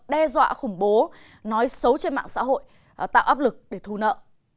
đe dọa khủng bố nói xấu trên mạng xã hội tạo áp lực để thu nợ